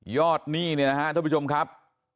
ยอดหนี้เนี่ยนะฮะทุกผู้ชมครับ